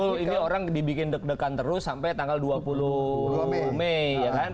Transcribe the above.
memang betul ini orang dibikin deg degan terus sampai tanggal dua puluh mei